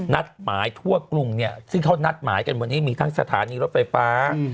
นัดหมายทั่วกรุงเนี่ยซึ่งเขานัดหมายกันวันนี้มีทั้งสถานีรถไฟฟ้า